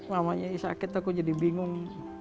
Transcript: mamanya sakit aku jadi bingung